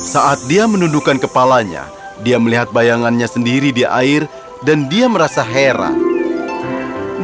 saat dia menundukkan kepalanya dia melihat bayangannya sendiri di air dan dia merasa heran